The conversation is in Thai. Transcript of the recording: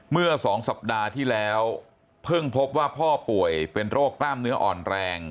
เมื่อ๒สัปดาห์ที่แล้วเพิ่งพบว่าพ่อป่วยเป็นโรคกล้ามเนื้ออ่อนแรง